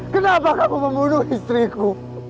kenapa kau membunuh istriku